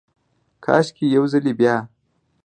کاشکي ، یو ځلې بیا،